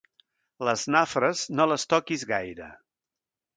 Les nafres, no les toquis gaire.